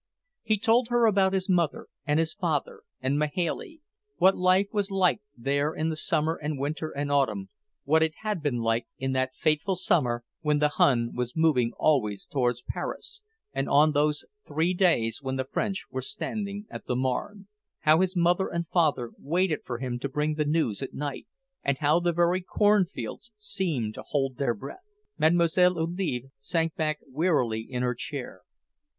He told her about his mother and his father and Mahailey; what life was like there in summer and winter and autumn what it had been like in that fateful summer when the Hun was moving always toward Paris, and on those three days when the French were standing at the Marne; how his mother and father waited for him to bring the news at night, and how the very cornfields seemed to hold their breath. Mlle. Olive sank back wearily in her chair.